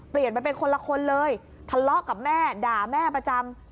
เปลี่ยนไปเป็นคนละคนเลยทะเลาะกับแม่ด่าแม่ประจำ